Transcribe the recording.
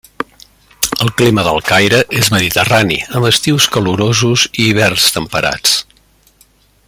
El clima del Caire és mediterrani, amb estius calorosos i hiverns temperats.